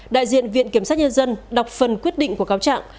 đại diện viện kiểm sát nhân dân đọc phần quyết định của cáo trạng